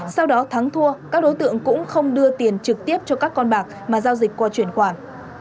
sau đó thắng thua các đối tượng cũng không đưa tiền trực tiếp cho các con bạc mà giao dịch qua chuyển khoản